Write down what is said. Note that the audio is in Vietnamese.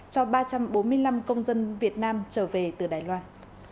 cho ba trăm bốn mươi năm công dân việt nam trở về từ đài loan